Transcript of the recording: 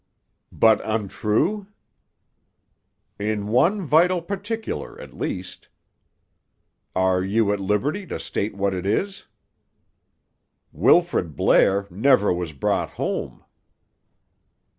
"But untrue?" "In one vital particular, at least." "Are you at liberty to state what it is?" "Wilfrid Blair never was brought home."